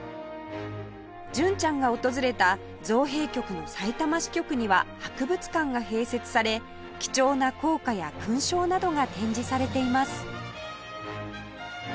純ちゃんが訪れた造幣局のさいたま支局には博物館が併設され貴重な硬貨や勲章などが展示されています